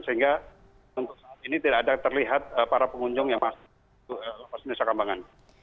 sehingga untuk saat ini tidak ada terlihat para pengunjung yang masuk nusa kambangan